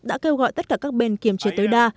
đã kêu gọi tất cả các bên kiềm chế tối đa